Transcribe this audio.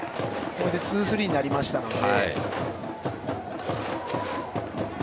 これでツースリーになりましたので。